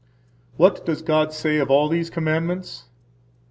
What Does God Say of All These Commandments?